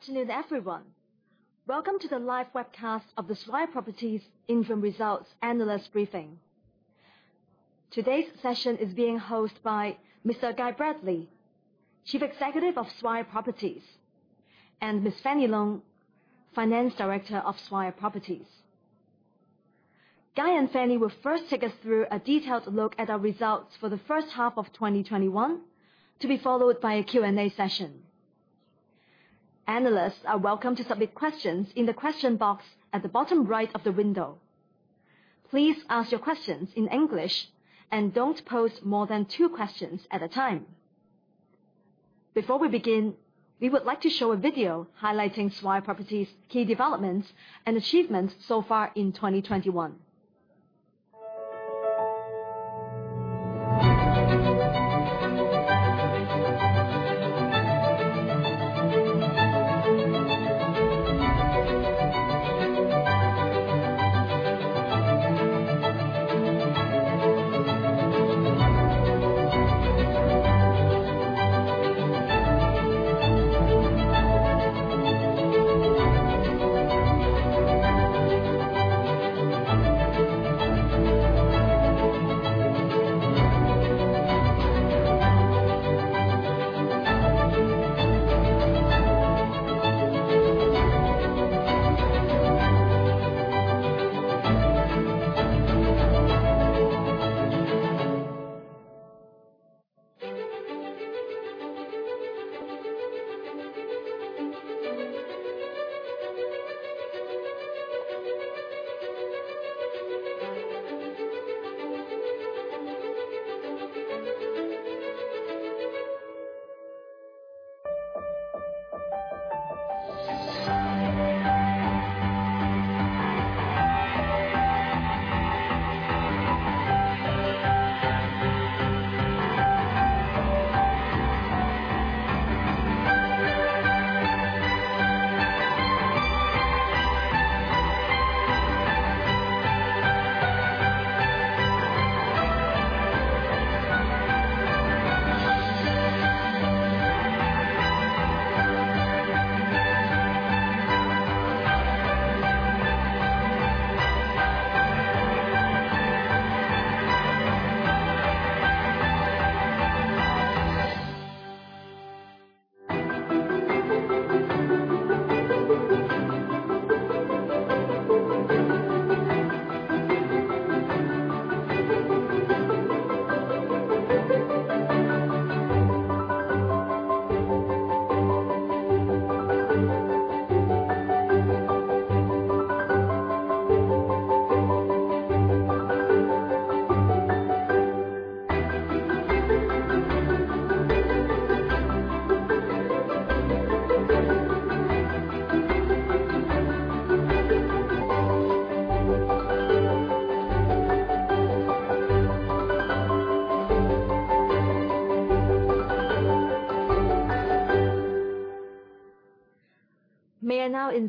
Good afternoon, everyone. Welcome to the live webcast of the Swire Properties interim results analyst briefing. Today's session is being hosted by Mr. Guy Bradley, Chief Executive of Swire Properties, and Ms. Fanny Lung, Finance Director of Swire Properties. Guy and Fanny will first take us through a detailed look at our results for the first half of 2021, to be followed by a Q&A session. Analysts are welcome to submit questions in the question box at the bottom right of the window. Please ask your questions in English, and don't pose more than two questions at a time. Before we begin, we would like to show a video highlighting Swire Properties key developments and achievements so far in 2021.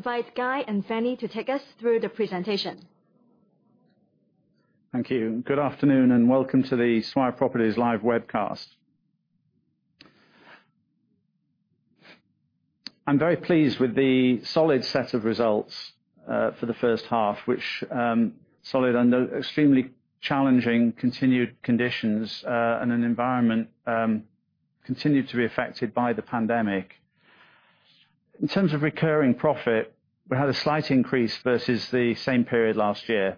May I now invite Guy and Fanny to take us through the presentation. Thank you. Good afternoon, and welcome to the Swire Properties live webcast. I'm very pleased with the solid set of results for the first half, which solid under extremely challenging continued conditions, and an environment continued to be affected by the pandemic. In terms of recurring profit, we had a slight increase versus the same period last year.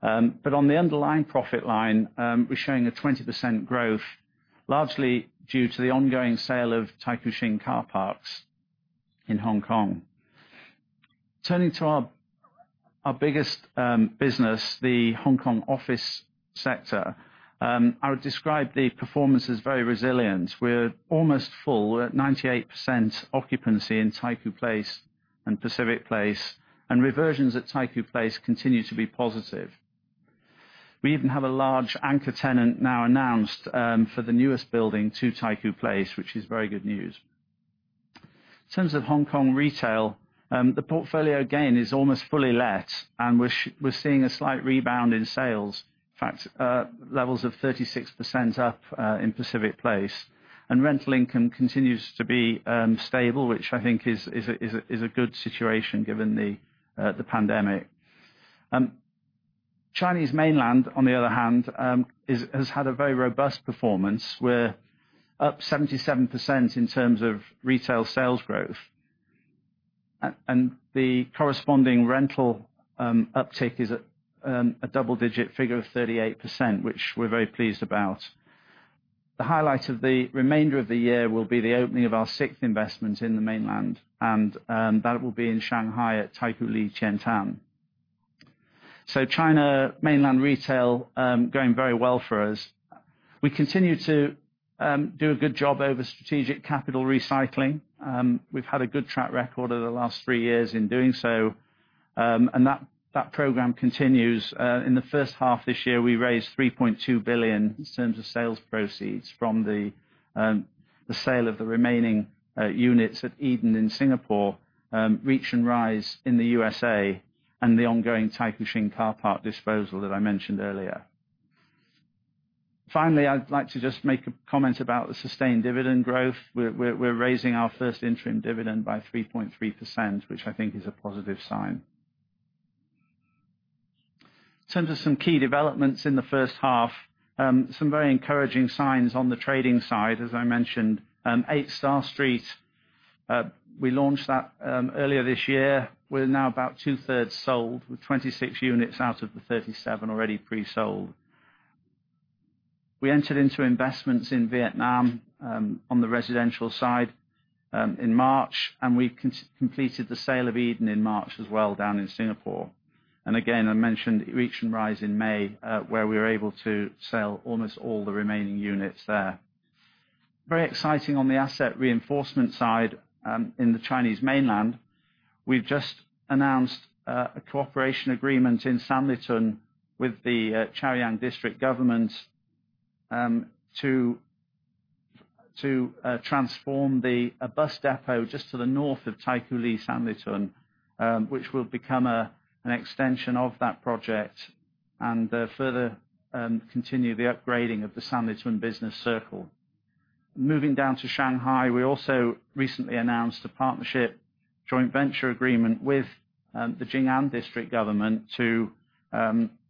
On the underlying profit line, we're showing a 20% growth, largely due to the ongoing sale of Taikoo Shing car parks in Hong Kong. Turning to our biggest business, the Hong Kong office sector, I would describe the performance as very resilient. We're almost full. We're at 98% occupancy in Taikoo Place and Pacific Place, and reversions at Taikoo Place continue to be positive. We even have a large anchor tenant now announced for the newest building, Two Taikoo Place, which is very good news. In terms of Hong Kong retail, the portfolio again is almost fully let, and we're seeing a slight rebound in sales. In fact, levels of 36% up in Pacific Place, and rental income continues to be stable, which I think is a good situation given the pandemic. Chinese Mainland, on the other hand, has had a very robust performance. We're up 77% in terms of retail sales growth. The corresponding rental uptake is at a double-digit figure of 38%, which we're very pleased about. The highlight of the remainder of the year will be the opening of our sixth investment in the Mainland, and that will be in Shanghai at Taikoo Li Qiantan. China Mainland retail, going very well for us. We continue to do a good job over strategic capital recycling. We've had a good track record over the last 3 years in doing so. That program continues. In the first half of this year, we raised 3.2 billion in terms of sales proceeds from the sale of the remaining units at Eden in Singapore, Reach and Rise in the U.S.A., and the ongoing Taikoo Shing car park disposal that I mentioned earlier. Finally, I'd like to just make a comment about the sustained dividend growth. We're raising our first interim dividend by 3.3%, which I think is a positive sign. In terms of some key developments in the first half, some very encouraging signs on the trading side, as I mentioned. Eight Star Street, we launched that earlier this year. We're now about two-thirds sold, with 26 units out of the 37 already pre-sold. We entered into investments in Vietnam, on the residential side, in March, and we completed the sale of Eden in March as well down in Singapore. Again, I mentioned Reach and Rise in May, where we were able to sell almost all the remaining units there. Very exciting on the asset reinforcement side, in the Chinese mainland. We've just announced a cooperation agreement in Sanlitun with the Chaoyang district government to transform a bus depot just to the north of Taikoo Li Sanlitun, which will become an extension of that project and further continue the upgrading of the Sanlitun business circle. Moving down to Shanghai, we also recently announced a partnership joint venture agreement with the Jing'an district government to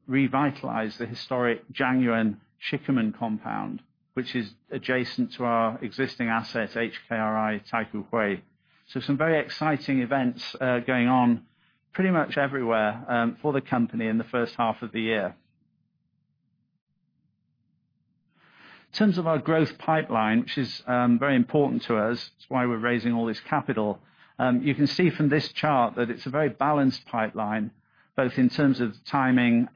revitalize the historic Zhangyuan Shikumen compound, which is adjacent to our existing asset, HKRI Taikoo Hui. Some very exciting events going on pretty much everywhere for the company in the first half of the year. In terms of our growth pipeline, which is very important to us, it's why we're raising all this capital. You can see from this chart that it's a very balanced pipeline, both in terms of timing,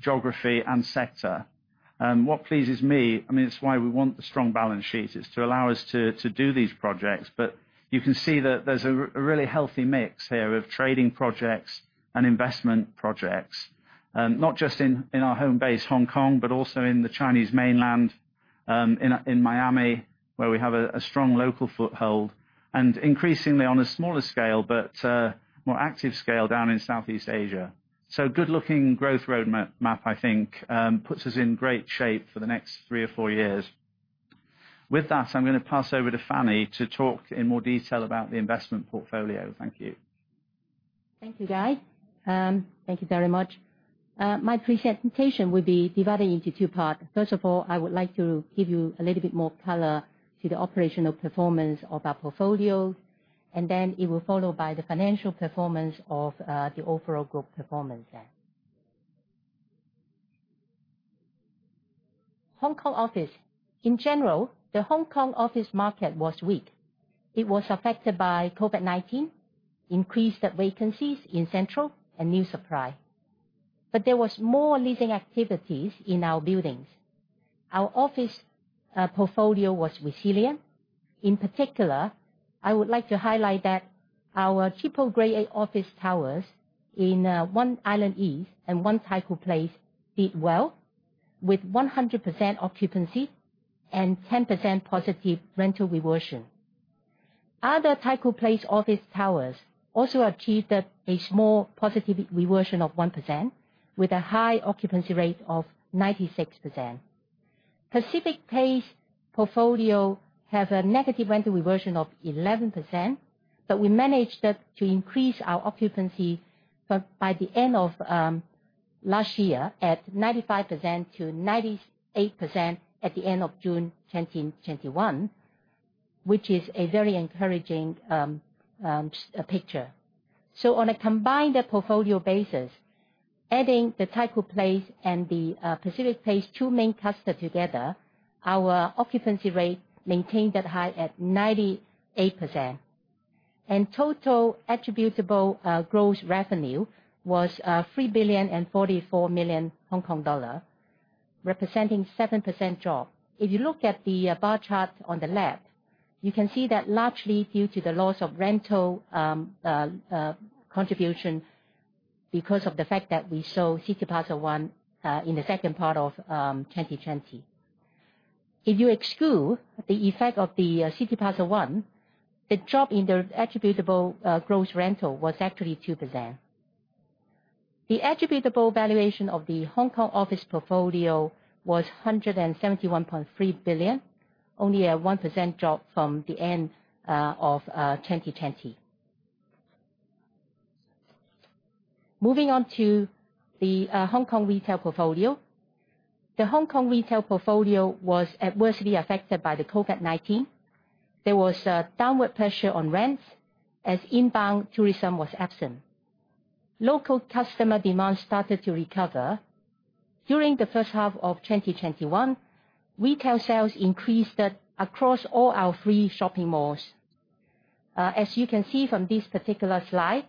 geography, and sector. What pleases me, it's why we want the strong balance sheet, is to allow us to do these projects. You can see that there's a really healthy mix here of trading projects and investment projects. Not just in our home base, Hong Kong, but also in the Chinese mainland, in Miami, where we have a strong local foothold, and increasingly on a smaller scale, but more active scale down in Southeast Asia. Good-looking growth roadmap, I think, puts us in great shape for the next three or four years. With that, I'm going to pass over to Fanny to talk in more detail about the investment portfolio. Thank you. Thank you, Guy. Thank you very much. My presentation will be divided into two parts. First of all, I would like to give you a little bit more color to the operational performance of our portfolio, then it will be followed by the financial performance of the overall group performance. Hong Kong office. In general, the Hong Kong office market was weak. It was affected by COVID-19, increased vacancies in Central, and [new supply]. There was more leasing activities in our buildings. Our office portfolio was resilient. In particular, I would like to highlight that our triple Grade A office towers in One Island East and One Taikoo Place did well, with 100% occupancy and 10% positive rental reversion. Other Taikoo Place office towers also achieved a small positive reversion of 1%, with a high occupancy rate of 96%. Pacific Place portfolio has a negative rental reversion of 11%, but we managed to increase our occupancy by the end of last year at 95%-98% at the end of June 2021, which is a very encouraging picture. On a combined portfolio basis, adding the Taikoo Place and the Pacific Place two main cluster together, our occupancy rate maintained at high at 98%. Total attributable gross revenue was 3,044 million Hong Kong dollar representing 7% drop. If you look at the bar chart on the left, you can see that largely due to the loss of rental contribution, because of the fact that we sold Cityplaza One in the second part of 2020. If you exclude the effect of the Cityplaza One, the drop in the attributable gross rental was actually 2%. The attributable valuation of the Hong Kong office portfolio was HKD 171.3 billion, only a 1% drop from the end of 2020. Moving on to the Hong Kong retail portfolio. The Hong Kong retail portfolio was adversely affected by the COVID-19. There was a downward pressure on rents as inbound tourism was absent. Local customer demand started to recover. During the first half of 2021, retail sales increased across all our three shopping malls. As you can see from this particular slide,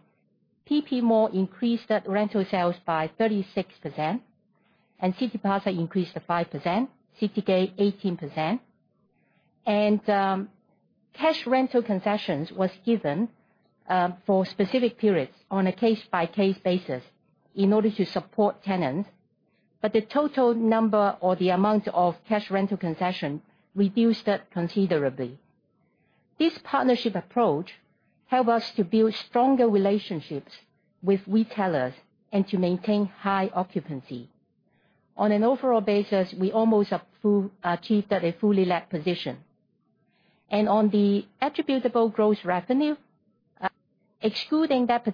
PP Mall increased rental sales by 36%, and Cityplaza increased 5%, Citygate 18%. Cash rental concessions was given for specific periods on a case-by-case basis in order to support tenants. The total number or the amount of cash rental concession reduced considerably. This partnership approach help us to build stronger relationships with retailers and to maintain high occupancy. On an overall basis, we almost achieved a fully let position. On the attributable gross revenue, excluding that particular rental concession, rental level was pretty much the same as that of the first half of 2020. Total valuation of the Hong Kong retail portfolio was HKD 45.5 billion, a drop by 2% from the year-end position of 2020. Moving on to Chinese mainland portfolio. We have a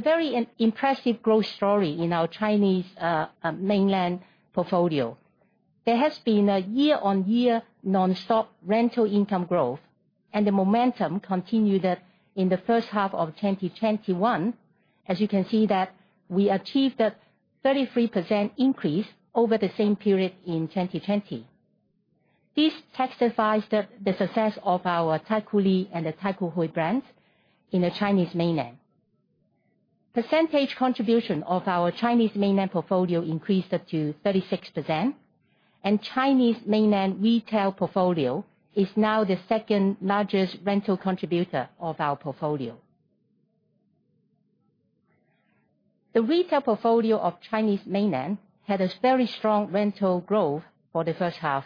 very impressive growth story in our Chinese mainland portfolio. There has been a year-on-year nonstop rental income growth, and the momentum continued in the first half of 2021. As you can see that we achieved a 33% increase over the same period in 2020. This testifies the success of our Taikoo Li and the Taikoo Hui brands in the Chinese mainland. Percentage contribution of our Chinese mainland portfolio increased up to 36%, and Chinese mainland retail portfolio is now the second-largest rental contributor of our portfolio. The retail portfolio of Chinese mainland had a very strong rental growth for the first half,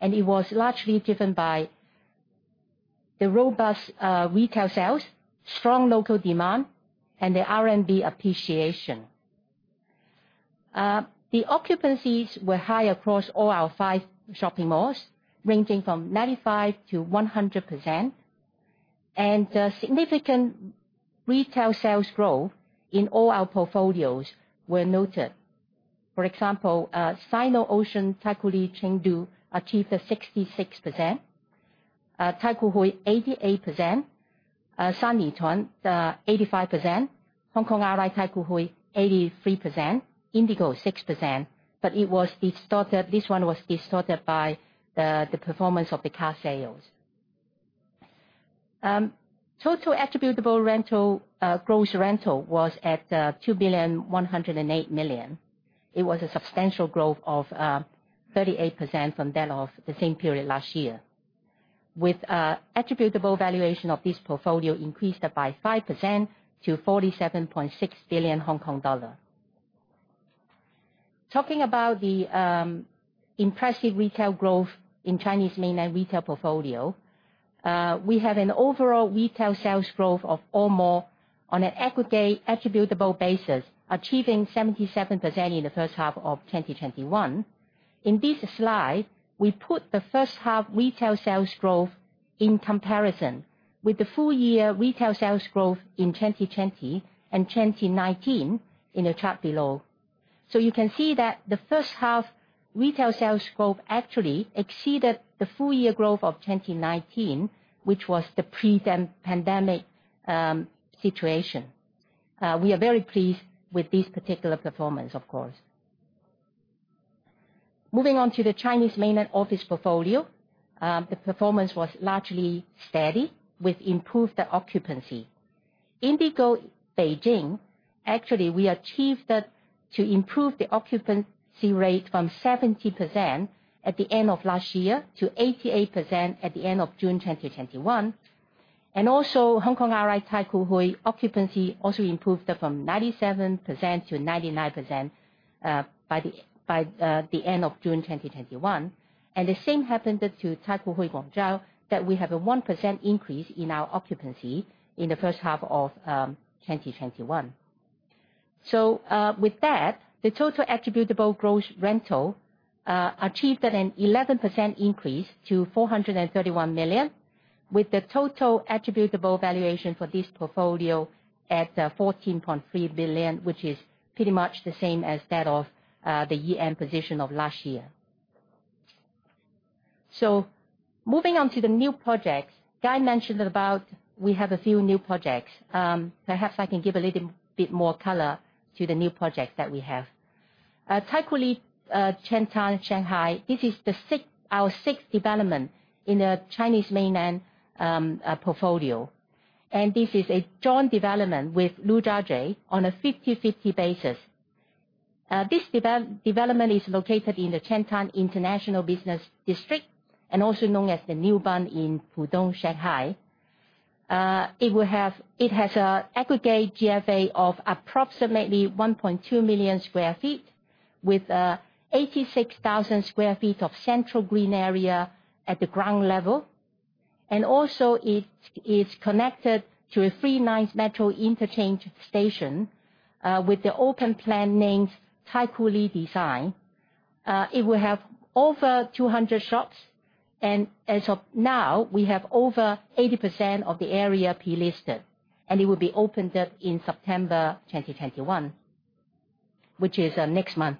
and it was largely driven by the robust retail sales, strong local demand, and the RMB appreciation. The occupancies were high across all our five shopping malls, ranging from 95%-100%, and significant retail sales growth in all our portfolios were noted. For example, Sino-Ocean Taikoo Li Chengdu achieved 66%, Taikoo Hui 88%, Sanlitun 85%, HKRI Taikoo Hui 83%, Indigo 6%, but this one was distorted by the performance of the car sales. Total attributable gross rental was at 2,108 million. It was a substantial growth of 38% from that of the same period last year, with attributable valuation of this portfolio increased by 5% to 47.6 billion Hong Kong dollar. Talking about the impressive retail growth in Chinese mainland retail portfolio, we have an overall retail sales growth of all mall on an aggregate attributable basis, achieving 77% in the first half of 2021. In this slide, we put the first half retail sales growth in comparison with the full year retail sales growth in 2020 and 2019 in the chart below. You can see that the first half retail sales growth actually exceeded the full year growth of 2019, which was the pre-pandemic situation. We are very pleased with this particular performance, of course. Moving on to the Chinese mainland office portfolio. The performance was largely steady, with improved occupancy. Indigo Beijing, actually, we achieved to improve the occupancy rate from 70% at the end of last year to 88% at the end of June 2021. Also HKRI Taikoo Hui occupancy also improved from 97%-99% by the end of June 2021. The same happened to Taikoo Hui Guangzhou, that we have a 1% increase in our occupancy in the first half of 2021. With that, the total attributable gross rental achieved an 11% increase to 431 million, with the total attributable valuation for this portfolio at 14.3 billion, which is pretty much the same as that of the year-end position of last year. Moving on to the new projects, Guy mentioned about we have a few new projects. Perhaps, I can give a little bit more color to the new projects that we have. Taikoo Li Qiantan Shanghai, this is our sixth development in the Chinese mainland portfolio, and this is a joint development with Lujiazui Group on a 50:50 basis. This development is located in the Qiantan International Business District, also known as the New Bund in Pudong, Shanghai. It has aggregate GFA of approximately 1.2 million sq ft, with 86,000 sq ft of central green area at the ground level. Also, it is connected to a three-line metro interchange station, with the open plan named Taikoo Li Design. It will have over 200 shops, as of now, we have over 80% of the area pre-listed, and it will be opened in September 2021, which is next month.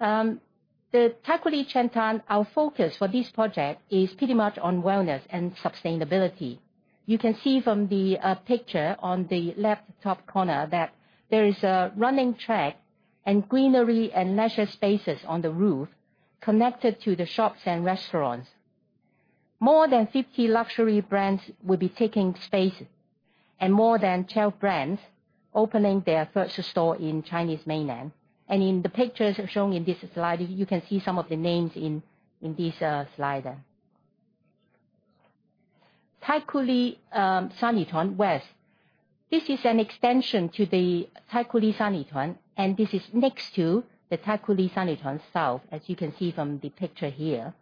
The Taikoo Li Qiantan, our focus for this project is pretty much on wellness and sustainability. You can see from the picture on the left top corner that there is a running track and greenery and leisure spaces on the roof connected to the shops and restaurants. More than 50 luxury brands will be taking space, and more than 12 brands opening their first store in Chinese Mainland. In the pictures shown in this slide, you can see some of the names in this slide. Taikoo Li Sanlitun West. This is an extension to the Taikoo Li Sanlitun, and this is next to the Taikoo Li Sanlitun South, as you can see from the picture here.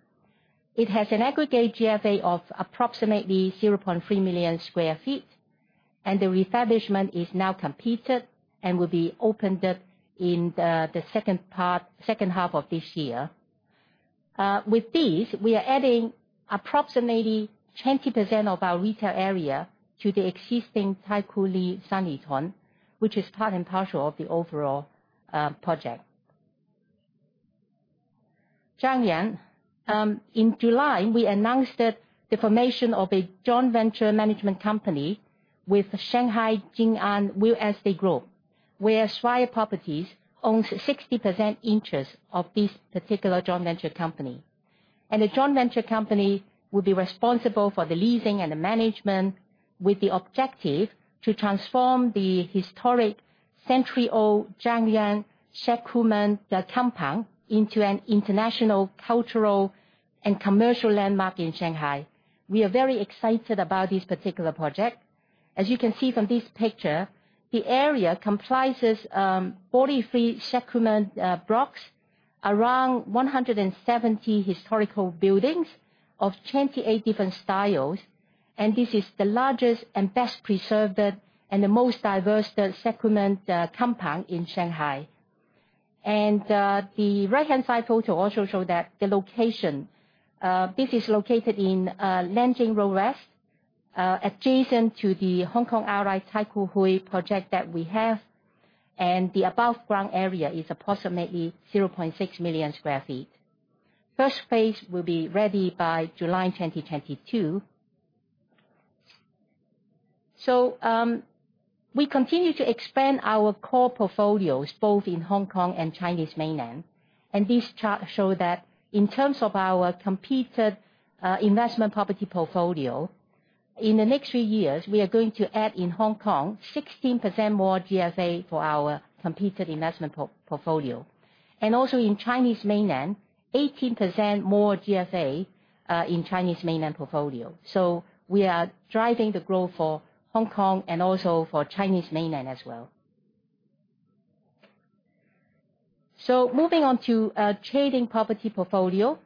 It has an aggregate GFA of approximately 0.3 million sq ft. The refurbishment is now completed and will be opened up in the second half of this year. With this, we are adding approximately 20% of our retail area to the existing Taikoo Li Sanlitun, which is part and parcel of the overall project. Zhangyuan. In July, we announced the formation of a joint venture management company with Shanghai Jing'an Real Estate Group, where Swire Properties owns 60% interest of this particular joint venture company. The joint venture company will be responsible for the leasing and the management, with the objective to transform the historic century-old Zhangyuan Shikumen compound into an international cultural and commercial landmark in Shanghai. We are very excited about this particular project. As you can see from this picture, the area comprises 43 Shikumen blocks, around 170 historical buildings of 28 different styles. This is the largest and best preserved, and the most diverse Shikumen compound in Shanghai. The right-hand side photo also show the location. This is located in Nanjing Road West, adjacent to the HKRI Taikoo Hui project that we have. The above ground area is approximately 0.6 million sq ft. First phase will be ready by July 2022. We continue to expand our core portfolios both in Hong Kong and Chinese Mainland. This chart show that in terms of our completed investment property portfolio, in the next three years, we are going to add, in Hong Kong, 16% more GFA for our completed investment portfolio. In Chinese Mainland, 18% more GFA in Chinese Mainland portfolio. We are driving the growth for Hong Kong and also for Chinese Mainland as well. Moving on to trading property portfolio.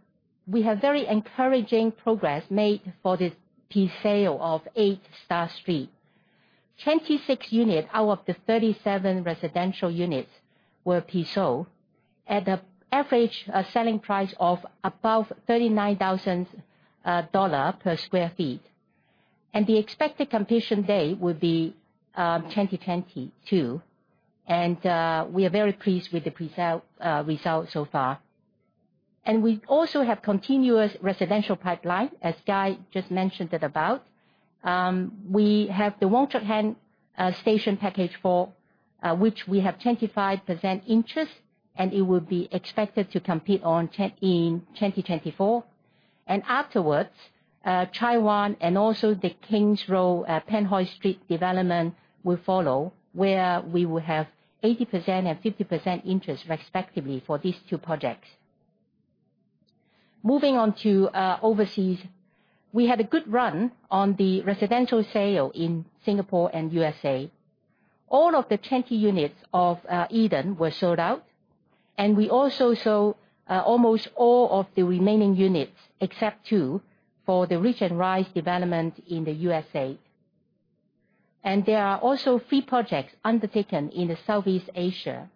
We have very encouraging progress made for the pre-sale of Eight Star Street. 26 unit out of the 37 residential units were pre-sold at the average selling price of above 39,000 dollar per sq ft. The expected completion date will be 2022. We are very pleased with the pre-sale result so far. We also have continuous residential pipeline, as Guy just mentioned it about. We have the Wong Chuk Hang Station Package 4, which we have 25% interest, and it will be expected to complete in 2024. Afterwards, Chai Wan and also the King's Road Pan Hoi Street development will follow, where we will have 80% and 50% interest, respectively, for these two projects. Moving on to overseas. We had a good run on the residential sale in Singapore and U.S.A. All of the 20 units of Eden were sold out. We also sold almost all of the remaining units, except two, for the Reach and Rise development in the U.S.A. There are also three projects undertaken in Southeast Asia.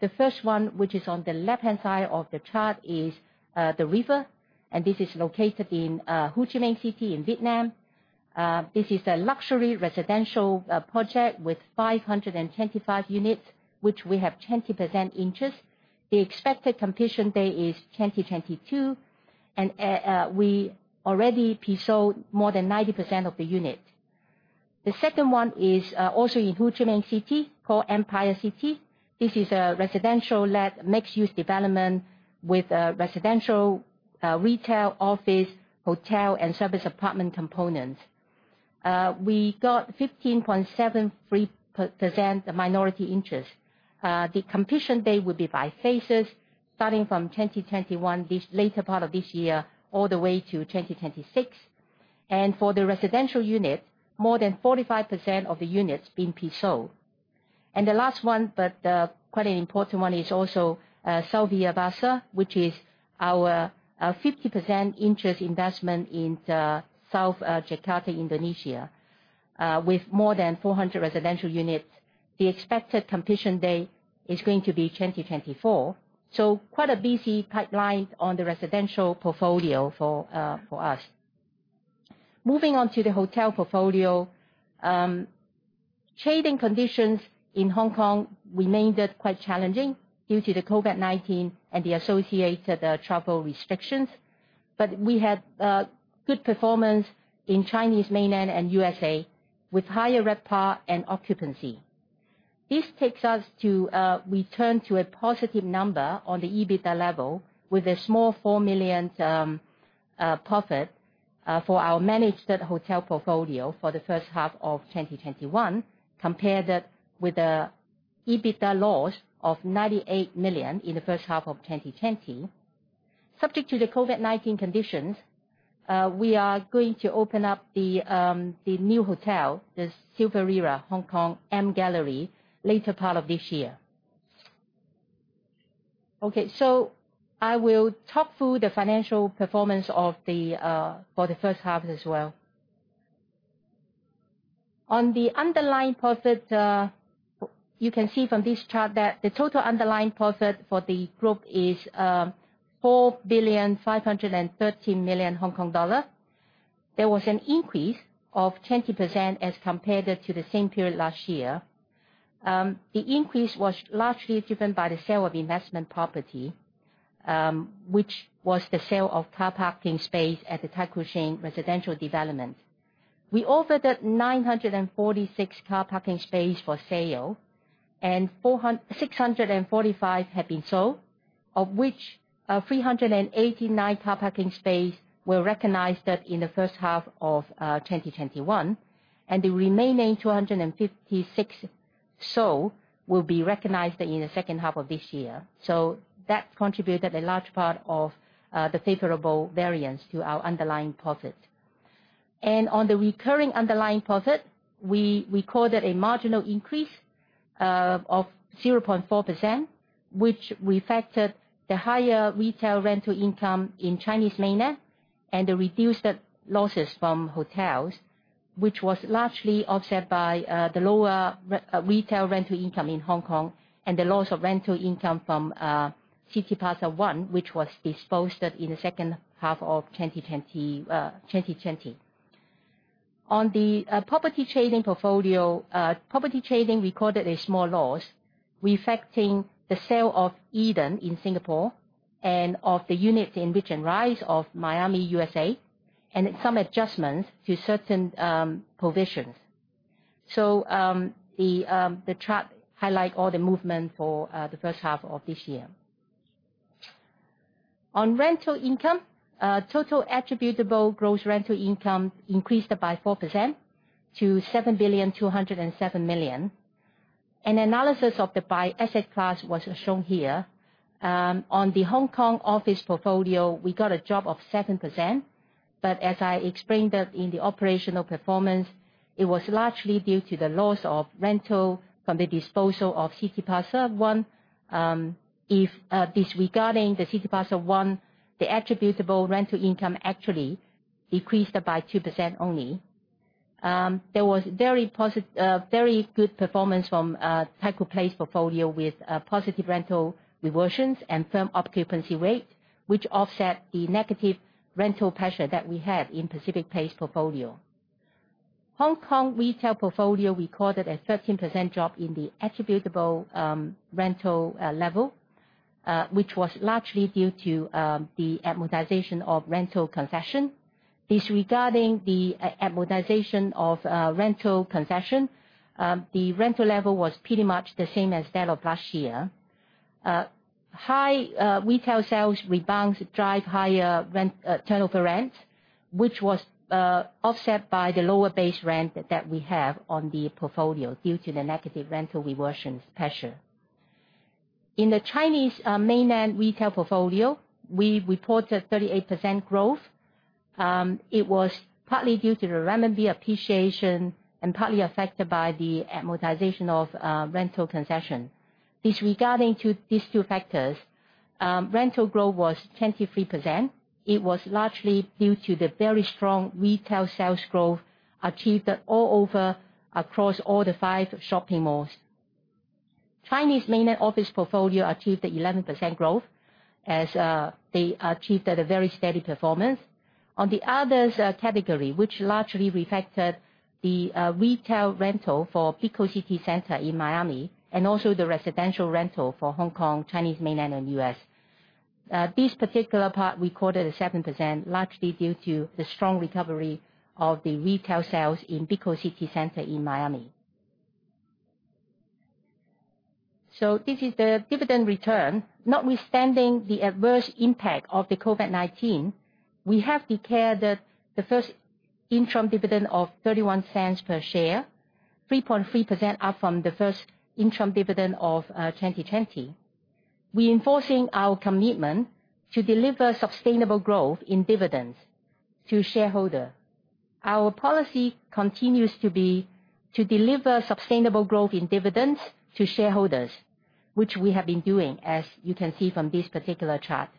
The first one, which is on the left-hand side of the chart, is The River, and this is located in Ho Chi Minh City in Vietnam. This is a luxury residential project with 525 units, which we have 20% interest. The expected completion date is 2022. We already pre-sold more than 90% of the unit. The second one is also in Ho Chi Minh City, called Empire City. This is a residential-led mixed-use development with residential, retail, office, hotel, and service apartment components. We got 15.73% minority interest. The completion date will be by phases, starting from 2021, later part of this year, all the way to 2026. For the residential unit, more than 45% of the units been pre-sold. The last one, but quite an important one, is also Savyavasa, which is our 50% interest investment in South Jakarta, Indonesia, with more than 400 residential units. The expected completion date is going to be 2024. Quite a busy pipeline on the residential portfolio for us. Moving on to the hotel portfolio. Trading conditions in Hong Kong remained quite challenging due to the COVID-19 and the associated travel restrictions. We had good performance in Chinese Mainland and USA with higher RevPAR and occupancy. This takes us to return to a positive number on the EBITDA level, with a small 4 million profit for our managed hotel portfolio for the first half of 2021, compare that with the EBITDA loss of 98 million in the first half of 2020. Subject to the COVID-19 conditions, we are going to open up the new hotel, the Silveri Hong Kong MGallery, later part of this year. Okay. I will talk through the financial performance for the first half as well. On the underlying profit, you can see from this chart that the total underlying profit for the group is 4,530 million Hong Kong dollar. There was an increase of 20% as compared to the same period last year. The increase was largely driven by the sale of investment property, which was the sale of car parking space at the Taikoo Shing residential development. We offered 946 car parking space for sale, and 645 have been sold, of which 389 car parking space were recognized in the first half of 2021, and the remaining 256 sold will be recognized in the second half of this year. That contributed a large part of the favorable variance to our underlying profit. On the recurring underlying profit, we recorded a marginal increase of 0.4%, which reflected the higher retail rental income in Chinese Mainland and the reduced losses from hotels, which was largely offset by the lower retail rental income in Hong Kong and the loss of rental income from Cityplaza One, which was disposed in the second half of 2020. On the property trading portfolio, property trading recorded a small loss, reflecting the sale of Eden in Singapore and of the units in Reach and Rise of Miami, U.S., and some adjustments to certain provisions. The chart highlight all the movement for the first half of this year. On rental income, total attributable gross rental income increased by 4% to 7,207 million. An analysis of the by asset class was shown here. On the Hong Kong office portfolio, we got a drop of 7%. As I explained in the operational performance, it was largely due to the loss of rental from the disposal of Cityplaza One. Disregarding the Cityplaza One, the attributable rental income actually decreased by 2% only. There was very good performance from Taikoo Place portfolio with positive rental reversions and firm occupancy rate, which offset the negative rental pressure that we have in Pacific Place portfolio. Hong Kong retail portfolio recorded a 13% drop in the attributable rental level, which was largely due to the amortization of rental concession. Disregarding the amortization of rental concession, the rental level was pretty much the same as that of last year. High retail sales rebounds drive higher turnover rents, which was offset by the lower base rent that we have on the portfolio due to the negative rental reversions pressure. In the Chinese Mainland retail portfolio, we reported 38% growth. It was partly due to the renminbi appreciation and partly affected by the amortization of rental concession. Disregarding to these two factors, rental growth was 23%. It was largely due to the very strong retail sales growth achieved all over across all the five shopping malls. Chinese Mainland office portfolio achieved 11% growth, as they achieved a very steady performance. On the others category, which largely reflected the retail rental for Brickell City Centre in Miami, and also the residential rental for Hong Kong, Chinese Mainland and U.S. This particular part recorded a 7%, largely due to the strong recovery of the retail sales in Brickell City Centre in Miami. This is the dividend return. Notwithstanding the adverse impact of the COVID-19, we have declared the first interim dividend of 0.31 per share, 3.3% up from the first interim dividend of 2020. We enforcing our commitment to deliver sustainable growth in dividends to shareholder. Our policy continues to be to deliver sustainable growth in dividends to shareholders, which we have been doing, as you can see from this particular chart.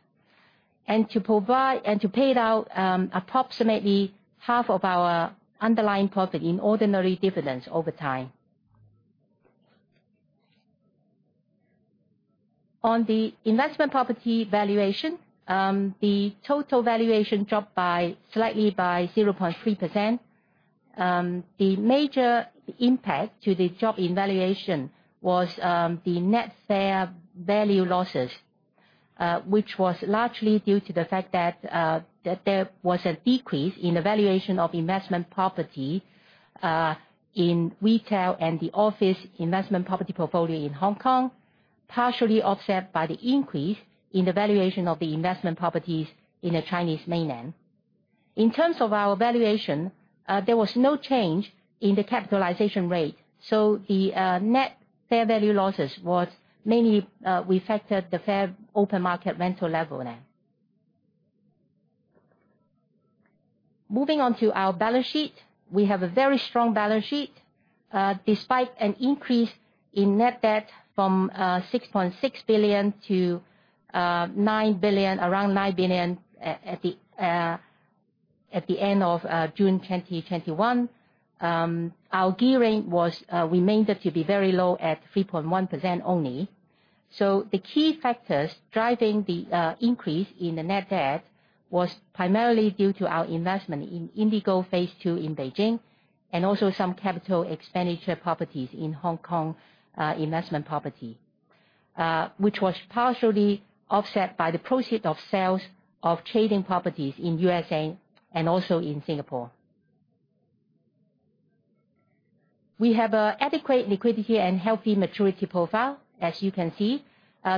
To pay out approximately half of our underlying profit in ordinary dividends over time. On the investment property valuation, the total valuation dropped slightly by 0.3%. The major impact to the drop in valuation was the net fair value losses, which was largely due to the fact that there was a decrease in the valuation of investment property in retail and the office investment property portfolio in Hong Kong, partially offset by the increase in the valuation of the investment properties in the Chinese mainland. In terms of our valuation, there was no change in the capitalization rate, so the net fair value losses was mainly, we factored the fair open market rental level there. Moving on to our balance sheet. We have a very strong balance sheet. Despite an increase in net debt from 6.6 billion to around 9 billion at the end of June 2021, our gearing remained to be very low at 3.1% only. The key factors driving the increase in the net debt was primarily due to our investment in Indigo Phase Two in Beijing, and also some capital expenditure properties in Hong Kong investment property, which was partially offset by the proceed of sales of trading properties in U.S.A. and also in Singapore. We have adequate liquidity and healthy maturity profile. As you can see,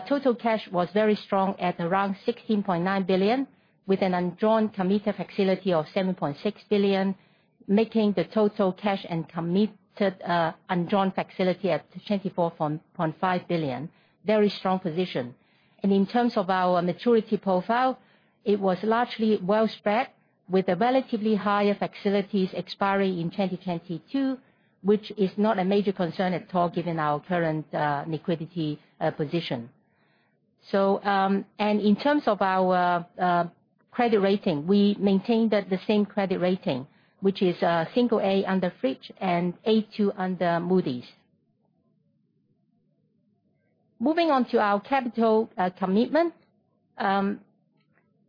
total cash was very strong at around 16.9 billion, with an undrawn committed facility of 7.6 billion, making the total cash and committed undrawn facility at 24.5 billion. Very strong position. In terms of our maturity profile, it was largely well spread with the relatively higher facilities expiring in 2022, which is not a major concern at all given our current liquidity position. In terms of our credit rating, we maintained at the same credit rating, which is a single-A under Fitch and A2 under Moody's. Moving on to our capital commitment.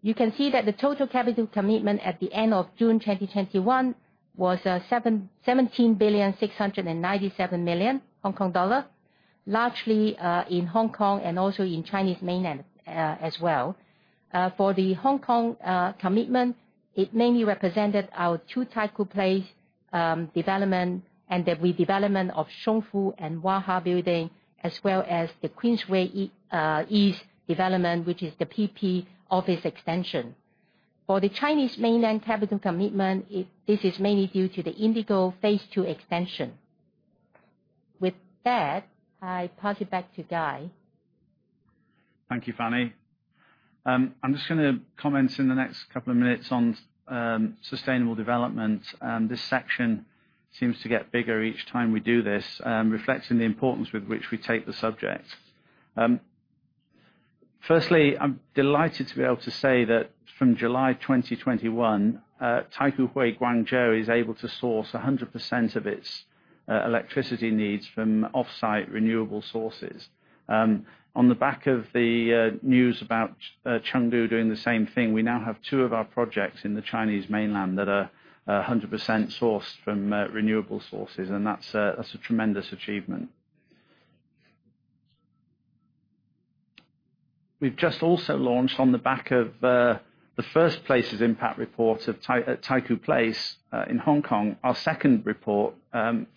You can see that the total capital commitment at the end of June 2021 was 17,697 Hong Kong dollar millon, largely in Hong Kong and also in Chinese mainland as well. For the Hong Kong commitment, it mainly represented our Two Taikoo Place development and the redevelopment of Zung Fu and Wah Ha building, as well as the Queen's Road East development, which is the PP office extension. For the Chinese mainland capital commitment, this is mainly due to the Indigo Phase Two extension. With that, I pass it back to Guy. Thank you, Fanny. I'm just going to comment in the next couple of minutes on sustainable development. This section seems to get bigger each time we do this, reflecting the importance with which we take the subject. Firstly, I'm delighted to be able to say that from July 2021, Taikoo Hui Guangzhou is able to source 100% of its electricity needs from offsite renewable sources. On the back of the news about Chengdu doing the same thing, we now have two of our projects in the Chinese mainland that are 100% sourced from renewable sources, and that's a tremendous achievement. We've just also launched on the back of the first Places Impact Report at Taikoo Place in Hong Kong, our second report,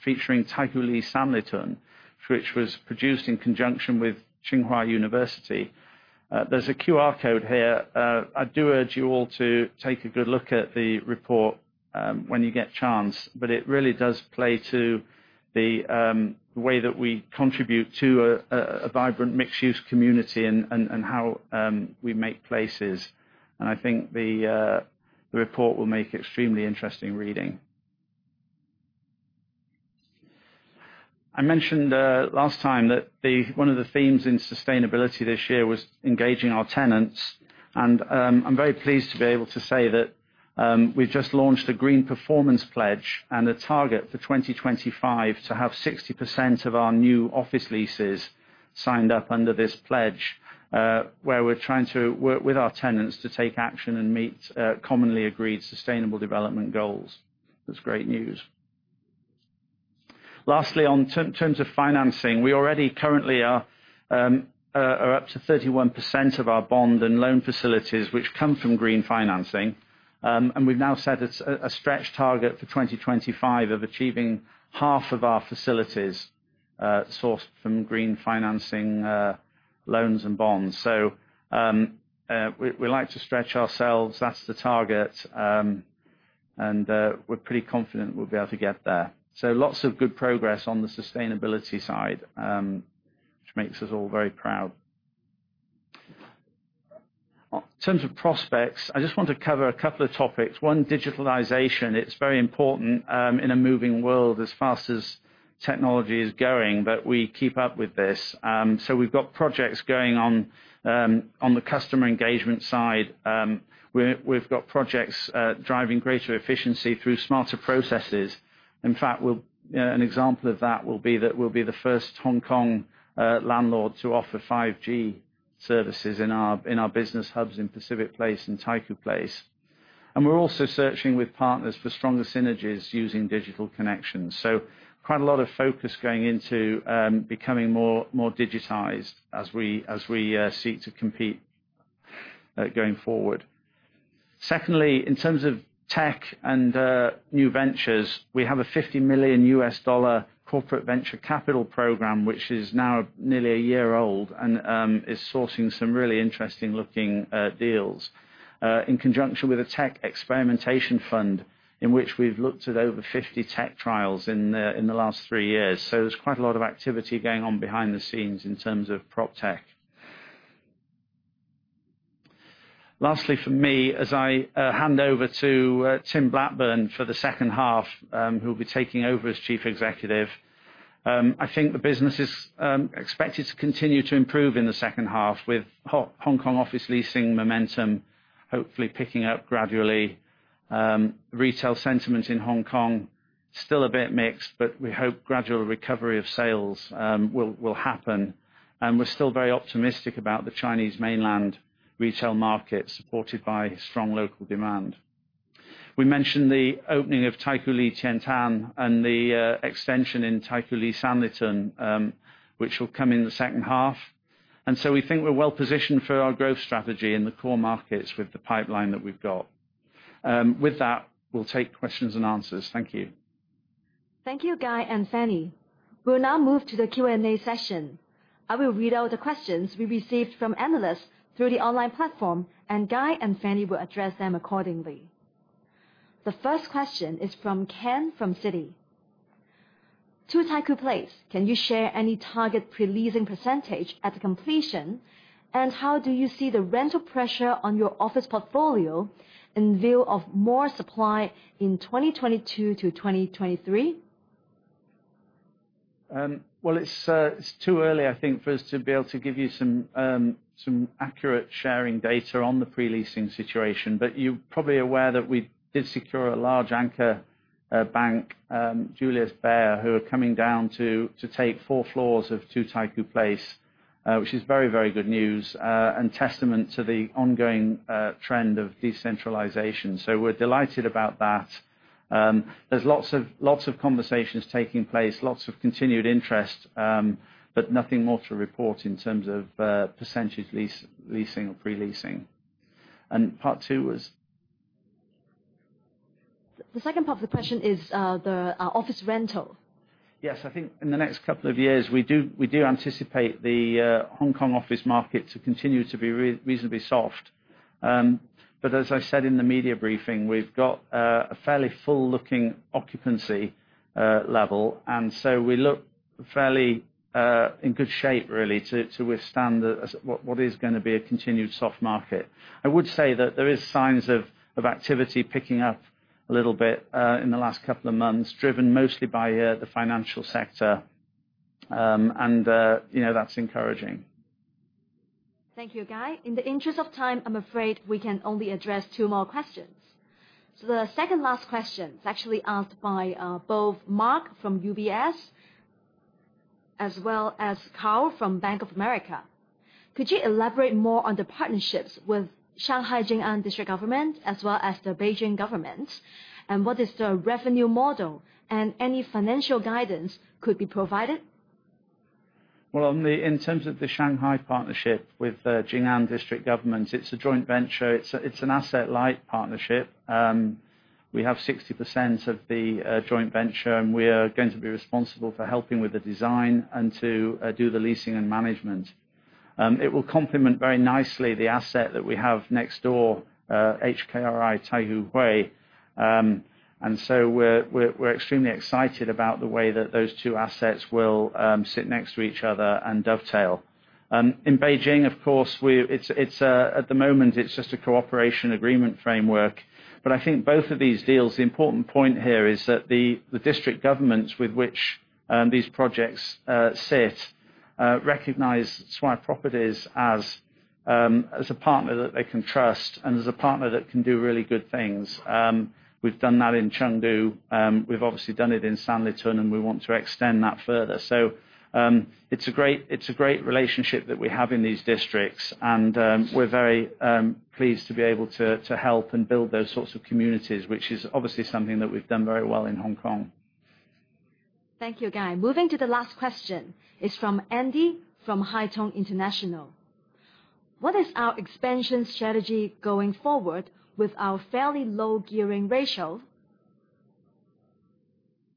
featuring Taikoo Li Sanlitun, which was produced in conjunction with Tsinghua University. There's a QR code here. I do urge you all to take a good look at the report when you get chance, but it really does play to the way that we contribute to a vibrant mixed-use community and how we make places. I think the report will make extremely interesting reading. I mentioned last time that one of the themes in sustainability this year was engaging our tenants, and I'm very pleased to be able to say that we've just launched a green performance pledge and a target for 2025 to have 60% of our new office leases signed up under this pledge, where we're trying to work with our tenants to take action and meet commonly agreed sustainable development goals. That's great news. Lastly, on terms of financing, we already currently are up to 31% of our bond and loan facilities which come from green financing. We've now set a stretch target for 2025 of achieving half of our facilities sourced from green financing loans and bonds. We like to stretch ourselves. That's the target. We're pretty confident we'll be able to get there. Lots of good progress on the sustainability side, which makes us all very proud. In terms of prospects, I just want to cover a couple of topics. One, digitalization. It's very important in a moving world as fast as technology is going that we keep up with this. We've got projects going on the customer engagement side. We've got projects driving greater efficiency through smarter processes. In fact, an example of that will be that we'll be the first Hong Kong landlord to offer 5G services in our business hubs in Pacific Place and Taikoo Place. We're also searching with partners for stronger synergies using digital connections. Quite a lot of focus going into becoming more digitized as we seek to compete going forward. Secondly, in terms of tech and new ventures, we have a $50 million corporate venture capital program, which is now nearly a year old, and is sourcing some really interesting-looking deals, in conjunction with a tech experimentation fund, in which we've looked at over 50 tech trials in the last 3 years. There's quite a lot of activity going on behind the scenes in terms of proptech. Lastly from me, as I hand over to Tim Blackburn for the second half, who'll be taking over as chief executive, I think the business is expected to continue to improve in the second half with Hong Kong office leasing momentum hopefully picking up gradually. Retail sentiment in Hong Kong, still a bit mixed, but we hope gradual recovery of sales will happen. We're still very optimistic about the Chinese mainland retail market, supported by strong local demand. We mentioned the opening of Taikoo Li Qiantan and the extension in Taikoo Li Sanlitun, which will come in the second half. We think we're well-positioned for our growth strategy in the core markets with the pipeline that we've got. With that, we'll take questions and answers. Thank you. Thank you, Guy and Fanny. We'll now move to the Q&A session. I will read out the questions we received from analysts through the online platform, and Guy and Fanny will address them accordingly. The first question is from Ken from Citi. Two Taikoo Place, can you share any target pre-leasing percentage at completion? How do you see the rental pressure on your office portfolio in view of more supply in 2022-2023? It's too early, I think, for us to be able to give you some accurate sharing data on the pre-leasing situation. You're probably aware that we did secure a large anchor bank, Julius Baer, who are coming down to take four floors of Two Taikoo Place, which is very, very good news, and testament to the ongoing trend of decentralization. We're delighted about that. There's lots of conversations taking place, lots of continued interest, but nothing more to report in terms of percentage leasing or pre-leasing. Part two was? The second part of the question is the office rental. Yes. I think in the next couple of years, we do anticipate the Hong Kong office market to continue to be reasonably soft. As I said in the media briefing, we've got a fairly full-looking occupancy level, and so we look fairly in good shape, really, to withstand what is going to be a continued soft market. I would say that there is signs of activity picking up a little bit in the last couple of months, driven mostly by the financial sector and that's encouraging. Thank you, Guy. In the interest of time, I'm afraid we can only address two more questions. The second last question is actually asked by both Mark from UBS as well as Carl from Bank of America. Could you elaborate more on the partnerships with Shanghai Jing'an District government as well as the Beijing government? What is the revenue model, and any financial guidance could be provided? In terms of the Shanghai partnership with Jing'an District government, it's a joint venture. It's an asset-light partnership. We have 60% of the joint venture, and we are going to be responsible for helping with the design and to do the leasing and management. It will complement very nicely the asset that we have next door, HKRI Taikoo Hui. We're extremely excited about the way that those two assets will sit next to each other and dovetail. In Beijing, of course, at the moment, it's just a cooperation agreement framework. I think both of these deals, the important point here is that the district governments with which these projects sit recognize Swire Properties as a partner that they can trust and as a partner that can do really good things. We've done that in Chengdu. We've obviously done it in Sanlitun, and we want to extend that further. It's a great relationship that we have in these districts, and we're very pleased to be able to help and build those sorts of communities, which is obviously something that we've done very well in Hong Kong. Thank you, Guy. Moving to the last question, it is from Andy, from Haitong International. What is our expansion strategy going forward with our fairly low gearing ratio?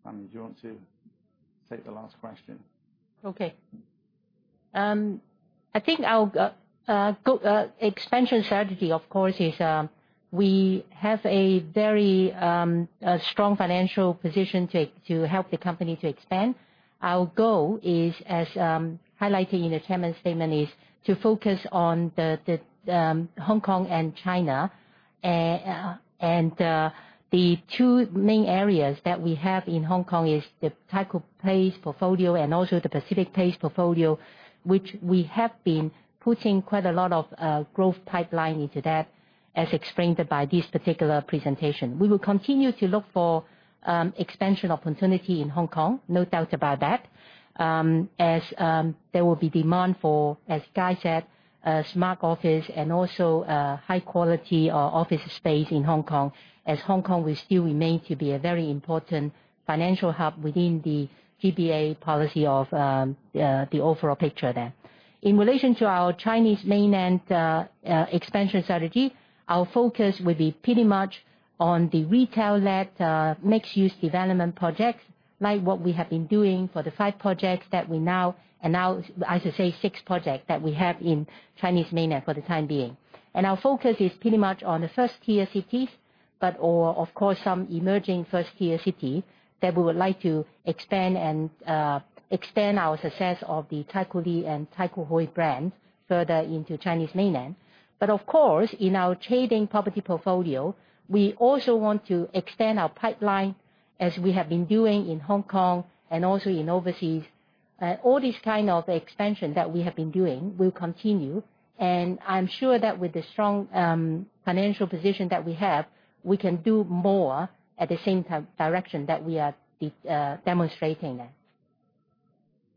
Fanny, do you want to take the last question? Okay. I think our expansion strategy, of course, is we have a very strong financial position to help the company to expand. Our goal is, as highlighted in the chairman's statement, is to focus on Hong Kong and China. The two main areas that we have in Hong Kong is the Taikoo Place portfolio and also the Pacific Place portfolio, which we have been putting quite a lot of growth pipeline into that, as explained by this particular presentation. We will continue to look for expansion opportunity in Hong Kong, no doubt about that, as there will be demand for, as Guy said, smart office and also high quality office space in Hong Kong, as Hong Kong will still remain to be a very important financial hub within the GBA policy of the overall picture there. In relation to our Chinese Mainland expansion strategy, our focus will be pretty much on the retail-led mixed-use development projects, like what we have been doing for the five projects that we now, I should say six projects that we have in Chinese Mainland for the time being. Our focus is pretty much on the 1st-tier cities, of course, some emerging 1st-tier city that we would like to expand our success of the Taikoo Li and Taikoo Hui brand further into Chinese Mainland. Of course, in our trading property portfolio, we also want to extend our pipeline as we have been doing in Hong Kong and also in overseas. All this kind of expansion that we have been doing will continue, and I'm sure that with the strong financial position that we have, we can do more at the same direction that we are demonstrating there.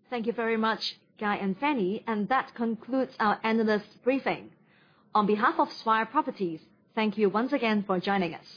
Thank you very much, Guy and Fanny. That concludes our analyst briefing. On behalf of Swire Properties, thank you once again for joining us.